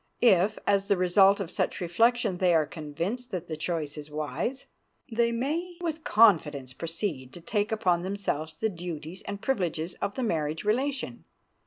If, as the result of such reflection, they are convinced that the choice is wise, they may with confidence proceed to take upon themselves the duties and privileges of the marriage relation.